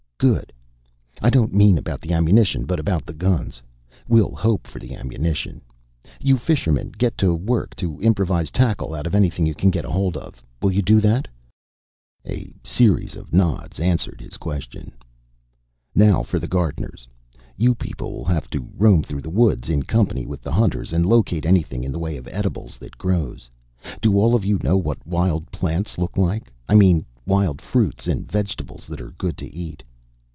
"Good! I don't mean about the ammunition, but about the guns. We'll hope for the ammunition. You fishermen get to work to improvise tackle out of anything you can get hold of. Will you do that?" A series of nods answered his question. "Now for the gardeners. You people will have to roam through the woods in company with the hunters and locate anything in the way of edibles that grows. Do all of you know what wild plants look like? I mean wild fruits and vegetables that are good to eat."